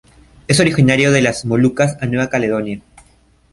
Es originario de las Molucas a Nueva Caledonia.